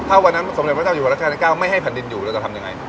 ถ้าวันนั้นสมเด็จพระเจ้าอยู่หัวรัชกาลเก้าไม่ให้แผ่นดินอยู่เราจะทำยังไง